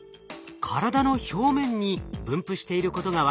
体の表面に分布していることが分かります。